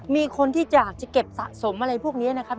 มีคนที่อยากจะเก็บสะสมอะไรพวกนี้นะครับ